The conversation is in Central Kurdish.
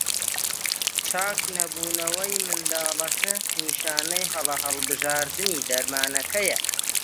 چاکنەبوونەوەی منداڵەکە نیشانەی هەڵە هەڵبژاردنی دەرمانەکەیە.